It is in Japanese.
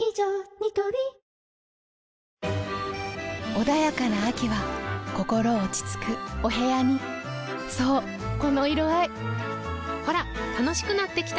ニトリ穏やかな秋は心落ち着くお部屋にそうこの色合いほら楽しくなってきた！